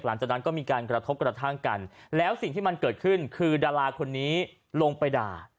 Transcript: หลังจากนั้นก็มีการกระทบกระทั่งกันแล้วสิ่งที่มันเกิดขึ้นคือดาราคนนี้ลงไปด่า